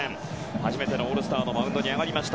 初めてのオールスターのマウンドに上がりました。